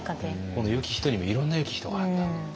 この「よき人」にもいろんなよき人があったと。